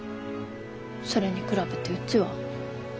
それに比べてうちは。